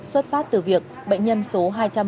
xuất phát từ việc bệnh nhân số hai trăm bốn mươi ba